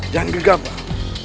jangan gegap pak